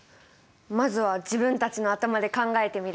まずは自分たちの頭で考えてみる。